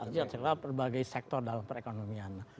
jadi sebuah berbagai sektor dalam perekonomian